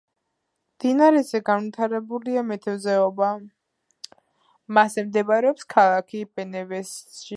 მდინარეზე განვითარებულია მეთევზეობა, მასზე მდებარეობს ქალაქი პანევეჟისი.